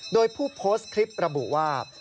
โดยผู้โพสต์คลิประบุว่า